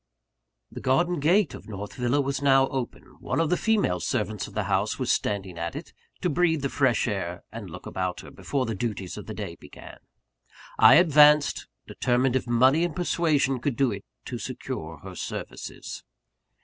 The garden gate of North Villa was now open. One of the female servants of the house was standing at it, to breathe the fresh air, and look about her, before the duties of the day began. I advanced; determined, if money and persuasion could do it, to secure her services.